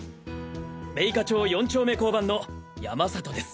米花町四丁目交番の山里です。